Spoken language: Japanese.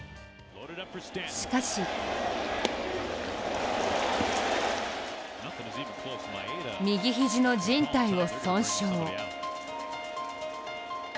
しかし、右肘のじん帯を損傷。